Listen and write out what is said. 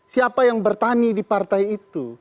siapa yang bertani di partai itu